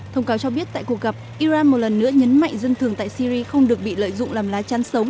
thông cáo cho biết tại cuộc gặp iran một lần nữa nhấn mạnh dân thường tại syri không được bị lợi dụng làm lá chăn sống